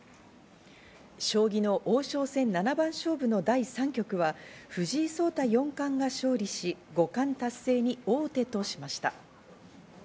将棋の王将戦七番勝負の第３局は藤井聡太四冠が勝利し、五冠達成に王手としました。